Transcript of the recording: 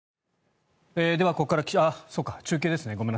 では、ここから中継ですね。